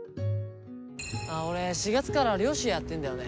ああ俺４月から漁師やってんだよね。